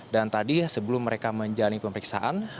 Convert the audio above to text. dan tadi sebelum mereka menjalani pemeriksaan